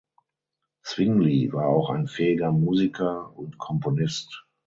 Zwingli war auch ein fähiger Musiker und Komponist.